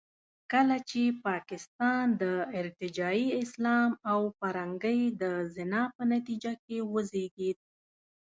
کله چې پاکستان د ارتجاعي اسلام او پیرنګۍ د زنا په نتیجه کې وزېږېد.